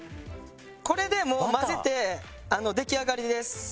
これでもう混ぜて出来上がりです。